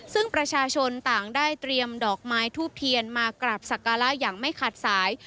ซึ่งประชาชนต่างได้เตรียมดอกไม้ทูบเทียนมากราบสักการะอย่างไม่ขาดสาย